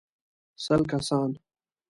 سل کسان.